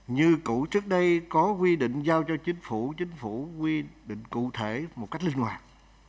như cũ trước đây có quy định giao cho chính phủ chính phủ quy định cụ thể một cách linh hoạt